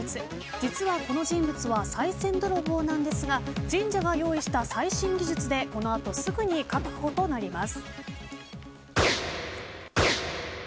実はこの人物はさい銭泥棒なんですが神社が用意した最新技術でこの後すぐに確保となります。